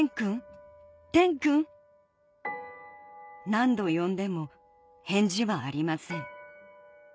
何度呼んでも返事はありません